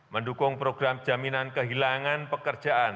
mendukung program jaminan kehilangan pekerjaan